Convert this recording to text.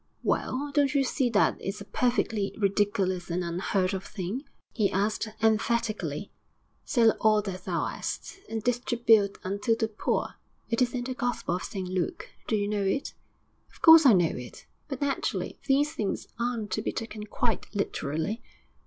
'Well, don't you see that it's a perfectly ridiculous and unheard of thing?' he asked emphatically. '"Sell all that thou 'ast, and distribute unto the poor." It is in the Gospel of St Luke. Do you know it?' 'Of course I know it, but, naturally, these things aren't to be taken quite literally.'